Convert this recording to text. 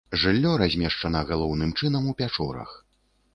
Жыллё размешчана галоўным чынам у пячорах.